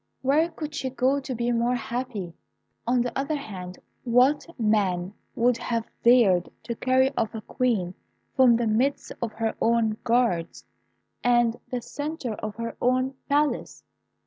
Where could she go to be more happy? On the other hand, what man would have dared to carry off a queen from the midst of her own guards, and the centre of her own palace?